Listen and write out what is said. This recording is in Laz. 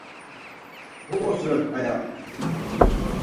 Muǩos ren aya?